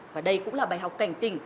và đây cũng là bài học cảnh tình